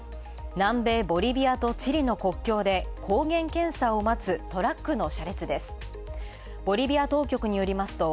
南米ボリビアとチリの国境で抗原検査を待つトラックの車列です。